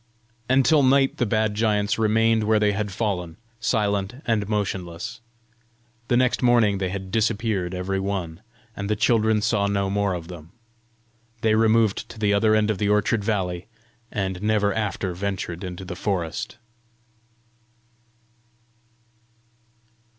Until night the bad giants remained where they had fallen, silent and motionless. The next morning they had disappeared every one, and the children saw no more of them. They removed to the other end of the orchard valley, and never after ventured into the forest.